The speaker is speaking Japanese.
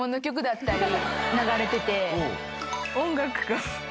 音楽が。